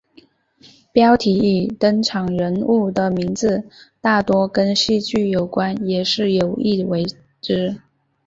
标题与登场人物的名字大多跟戏剧有关也是有意为之。